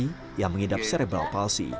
iin dan tari yang mengidap serebral palsi